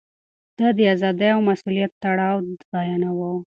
ده د ازادۍ او مسووليت تړاو بيانوه.